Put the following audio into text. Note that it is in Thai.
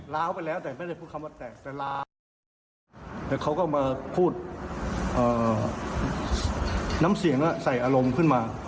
แล้วเขาก็มาพูดน้ำเสียงน่ะใส่อารมณ์ขึ้นมา